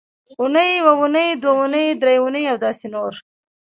اونۍ یونۍ دونۍ درېنۍ او داسې نور